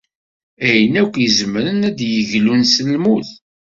Ayen akk izemren ad d-yeglun s lmut.